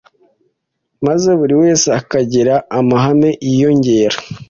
maze buri wese akagira amahame yiyongera